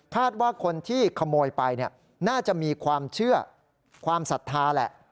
ว่าคนที่ขโมยไปน่าจะมีความเชื่อความศรัทธาแหละ